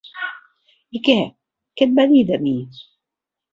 I què... què et va dir, de mi?